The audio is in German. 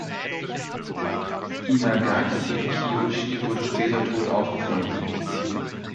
Inagaki Kiyoshi wurde später tot aufgefunden.